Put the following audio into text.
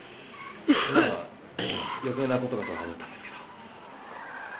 まあ余計なことかとは思ったんですけど。